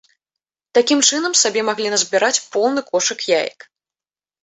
Такім чынам, сабе маглі назбіраць поўны кошык яек.